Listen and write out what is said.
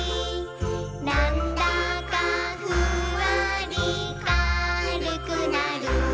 「なんだかフワリかるくなる」